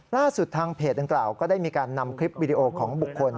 ล่าสุดทางเพจดังกล่าวก็ได้มีการนำคลิปวิดีโอของบุคคล